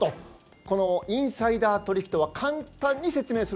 このインサイダー取引とは簡単に説明すると？